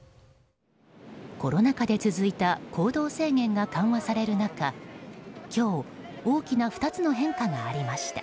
コロナ禍で続いた行動制限が緩和される中今日、大きな２つの変化がありました。